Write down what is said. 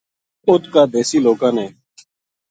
اُت کا دیسی لوکاں نے